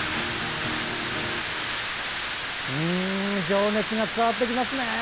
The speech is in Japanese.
情熱が伝わってきますね。